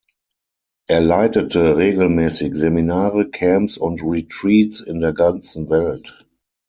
Er leitete regelmäßig Seminare, Camps und Retreats in der ganzen Welt.